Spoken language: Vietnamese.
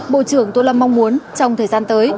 bộ trưởng tô lâm mong muốn trong thời gian tới